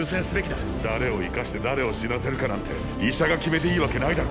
誰を生かして誰を死なせるかなんて医者が決めていいわけないだろ。